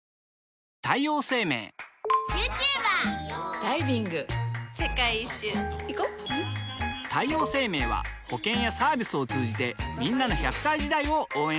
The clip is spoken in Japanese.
女性 ２） 世界一周いこ太陽生命は保険やサービスを通じてんなの１００歳時代を応援しています